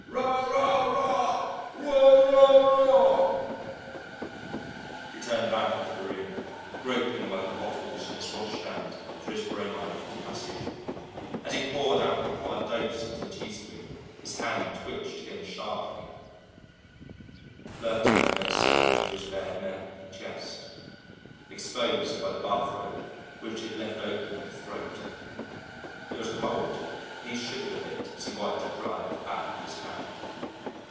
"Rah, rah, rah! Rah, rah, rah!" He turned back into the room, groping among the bottles on his washstand for his bromide of potassium. As he poured out the required dose into the teaspoon his hand twitched again sharply, flirting the medicine over his bared neck and chest, exposed by the bathrobe which he had left open at the throat. It was cold, and he shivered a bit as he wiped it dry with the back of his hand.